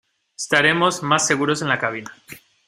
Estaremos más seguros en la cabina.